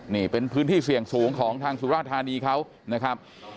นี่เป็นพื้นที่เสี่ยงสูงของทางสุราธานีเขานะครับ